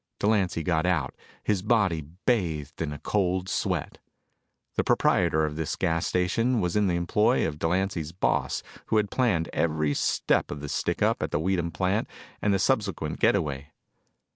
Delancy got out, his body bathed in a cold sweat. The proprietor of this gas station was in the employ of Delancy's boss who had planned every step of the stick up at the Weedham plant and the subsequent get away.